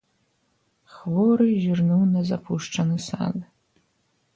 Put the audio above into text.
Хворы зірнуў на запушчаны сад.